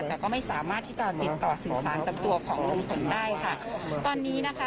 แต่ก็ไม่สามารถที่จะติดต่อสื่อสารกับตัวของลุงพลได้ค่ะตอนนี้นะคะ